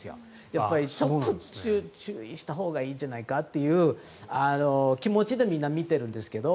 やっぱりちょっと注意したほうがいいんじゃないかという気持ちでみんな見てるんですけど。